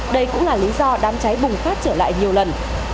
đây cũng là lý do đám cháy bùng phát trở lại nhiều lần